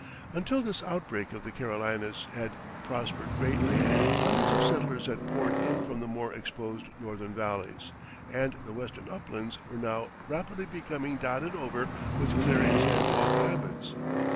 Until this outbreak the Carolinas had prospered greatly. Hundreds of settlers had poured in from the more exposed northern valleys, and the western uplands were now rapidly being dotted over with clearings and log cabins.